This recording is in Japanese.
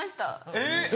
えっ？